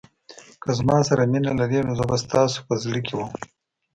که زما سره مینه لرئ نو زه به ستاسو په زړه کې وم.